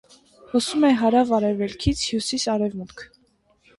Հոսում է հարավ֊արևելքից՝ հյուսիս֊արևմուտք։